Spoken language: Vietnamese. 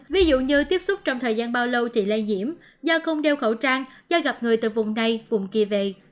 ví dụ như tiếp xúc trong thời gian bao lâu thì lây nhiễm do không đeo khẩu trang do gặp người từ vùng đây vùng kia về